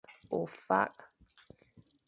Ofak.